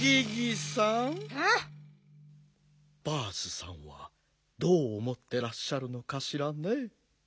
バースさんはどうおもってらっしゃるのかしらね。